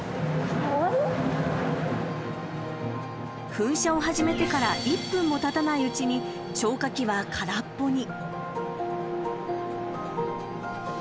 噴射を始めてから１分もたたないうちに消火器はからっぽに。